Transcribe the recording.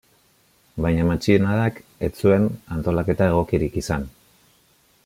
Baina matxinadak ez zuen antolaketa egokirik izan.